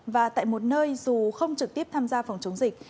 và tại một nơi dù không trực tiếp tham gia phòng chống dịch